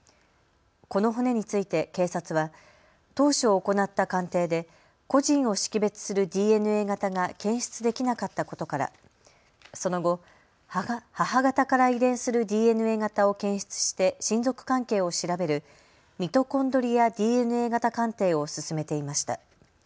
この骨について警察は当初、行った鑑定で個人を識別するＤＮＡ型が検出できなかったことからその後、母方から遺伝するＤＮＡ型を検出して親族関係を調べるミトコンドリアＤＮＡ型鑑定を進めていました。